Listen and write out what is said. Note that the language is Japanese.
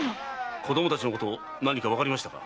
子供達のこと何かわかりましたか？